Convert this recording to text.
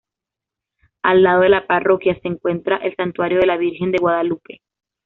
Al lado de la Parroquia, se encuentra el Santuario de la Virgen de Guadalupe.